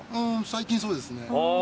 最近そうですね。